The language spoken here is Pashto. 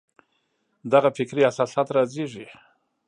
دغه فکري اساسات رازېږي.